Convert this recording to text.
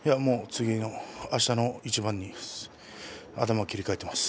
明日の一番に頭を切り替えています。